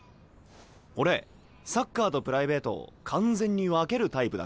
俺サッカーとプライベートを完全に分けるタイプだからよ！